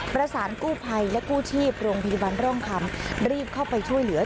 ประสานกู้ภัยและกู้ชีพโรงพยาบาลร่องคำรีบเข้าไปช่วยเหลือ